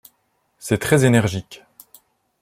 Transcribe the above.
C'est très énergique.